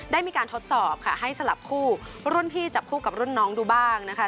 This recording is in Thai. ได้มีการทดสอบค่ะให้สลับคู่รุ่นพี่จับคู่กับรุ่นน้องดูบ้างนะคะ